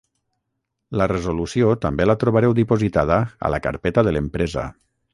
La resolució també la trobareu dipositada a la carpeta de l'empresa.